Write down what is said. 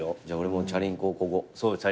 じゃあ俺もチャリンコをこごう。